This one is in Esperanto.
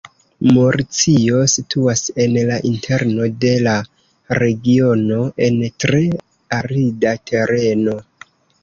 Murcio situas en la interno de la regiono, en tre arida tereno.